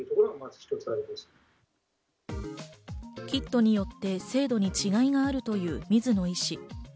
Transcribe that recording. キットによって精度に違いがあるという水野医師。